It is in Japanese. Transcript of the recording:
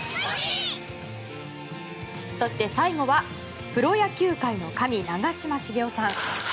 そして、最後はプロ野球界の神、長嶋茂雄さん。